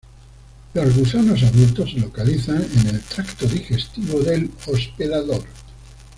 Los gusanos adultos se localizan en el tracto digestivo del hospedador.